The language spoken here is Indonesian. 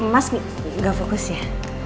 mas gak fokus ya